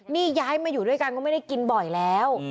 นี่ย้ายมาอยู่ด้วยกันก็ไม่ได้กินบ่อยแล้ว